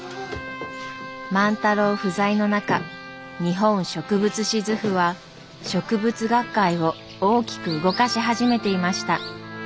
万太郎不在の中「日本植物志図譜」は植物学会を大きく動かし始めていました。